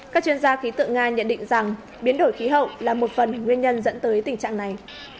các chuyên gia khí tượng nga nhận định rằng biến đổi khí hậu là một phần nguyên nhân dẫn tới tình trạng này